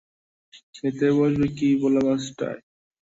খেতে বসবে কি বোলা পাঁচটায়?